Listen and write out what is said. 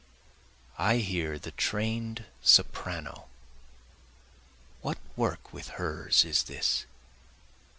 I hear the train'd soprano (what work with hers is this?)